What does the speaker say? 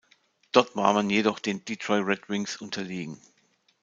Dort war man jedoch den Detroit Red Wings unterlegen.